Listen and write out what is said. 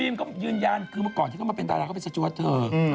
เมื่อก่อนก็ก็ขึ้นมาเป็นตารกับขอบคับกับสจวบเธอ